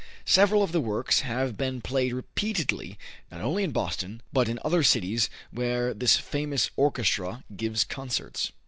Several of the works have been played repeatedly not only in Boston, but in other cities where this famous orchestra gives concerts.